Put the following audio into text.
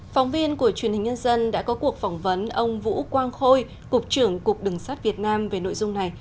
phóng viên của truyền hình nhân dân đã có cuộc phỏng vấn ông vũ quang khôi cục trưởng cục đường sát việt nam về nội dung này